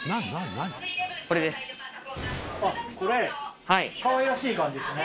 これかわいらしい感じですね。